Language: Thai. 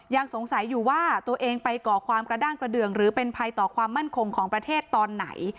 ยังสงสัยอยู่ว่าตัวเองไปก่อความกระด้างกระเดืองหรือเป็นภัยต่อความมั่นคงของประเทศตอนไหน